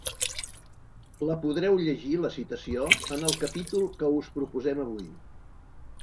La podreu llegir, la citació, en el capítol que us proposem avui.